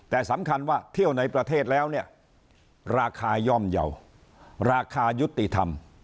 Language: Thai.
แต่สำคัญว่าเที่ยวในประเทศแล้วเนี่ยราคาย่อมเยาว์ราคายุติธรรม